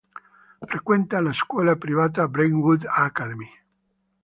Frequenta la scuola privata Brentwood Academy.